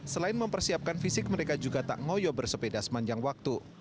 selain mempersiapkan fisik mereka juga tak ngoyo bersepeda sepanjang waktu